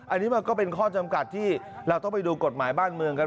อันนี้มันก็เป็นข้อจำกัดที่เราต้องไปดูกฎหมายบ้านเมืองกัน